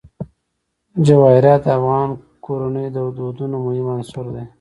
جواهرات د افغان کورنیو د دودونو مهم عنصر دی.